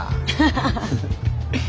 ハハハ。